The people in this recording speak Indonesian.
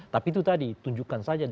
tapi itu tadi tunjukkan saja